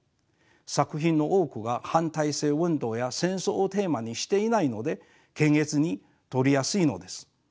作品の多くが反体制運動や戦争をテーマにしていないので検閲に通りやすいのです。